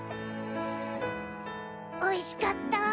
おいしかった。